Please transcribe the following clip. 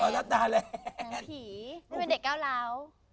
หนึ่งเป็นเด็กเก้าหลาว